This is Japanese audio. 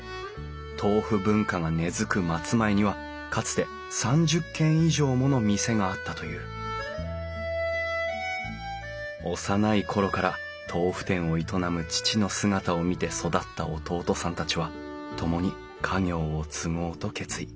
豆腐文化が根づく松前にはかつて３０軒以上もの店があったという幼い頃から豆腐店を営む父の姿を見て育った弟さんたちは共に家業を継ごうと決意。